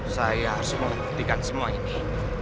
saya harus membuktikan semua ini